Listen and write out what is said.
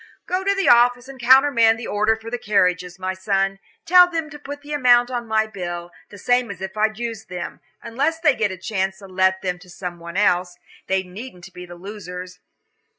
"Go to the office and countermand the order for the carriages, my son; tell them to put the amount on my bill, the same as if I'd used them, unless they get a chance to let them to some one else. They needn't be the losers.